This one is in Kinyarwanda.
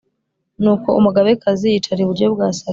Nuko umugabekazi yicara iburyo bwa Salomo.